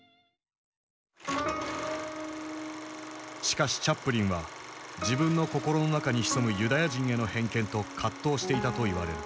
しかしチャップリンは自分の心の中に潜むユダヤ人への偏見と葛藤していたといわれる。